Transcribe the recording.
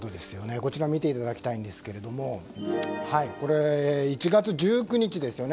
こちら見ていただきたいんですけど１月１９日ですよね